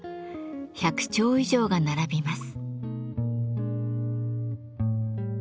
１００丁以上が並びます。